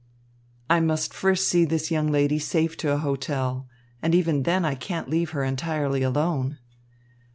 "I must first see this young lady safe to a hotel. And even then I can't leave her entirely alone."